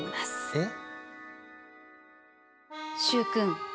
えっ？